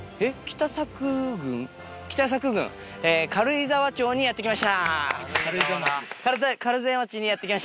北佐久郡軽井沢チョウにやって来ました！